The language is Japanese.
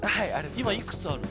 今いくつあるの？